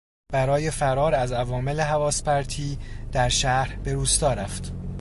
برای فرار از عوامل حواسپرتی در شهر به روستا رفت.